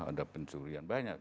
ada pencurian banyak